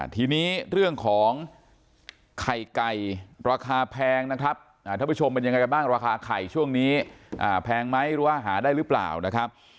ทีนี้เรื่องของไข่ไก่ราคาแพงนะครับท่านผู้ชมเป็นยังไงกันบ้างราคาไข่ช่วงนี้แพงไหมหรือว่าหาได้หรือเปล่านะครับ